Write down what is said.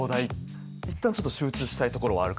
一旦ちょっと集中したいところはあるかな。